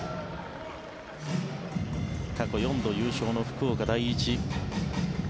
過去４度優勝の福岡第一。